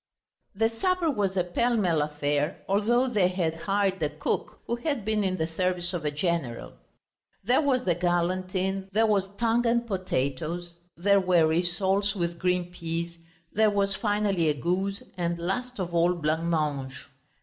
The supper was a pell mell affair, although they had hired a cook who had been in the service of a general; there was the galantine, there was tongue and potatoes, there were rissoles with green peas, there was, finally, a goose, and last of all blancmange.